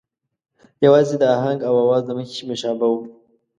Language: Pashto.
یوازې د آهنګ او آواز له مخې مشابه وو.